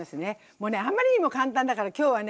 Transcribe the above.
もうねあんまりにも簡単だから今日はね